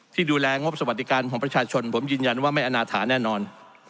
ที่ดูแลงบสวัสดิการของประชาชนผมยืนยันว่าไม่อนาถาแน่นอน